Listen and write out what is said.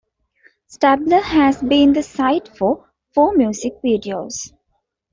Stabler has been the site for four music videos.